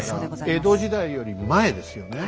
江戸時代よりも前ですよね。